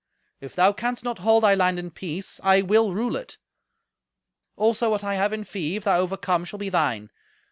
"If thou canst not hold they land in peace, I will rule it. Also what I have in fee, if thou overcome, shall be thine.